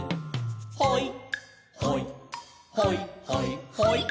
「ほいほいほいほいほい」